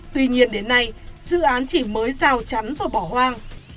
tuy nhiên đến nay dự án chỉ mới rào chắn rồi bỏ hoang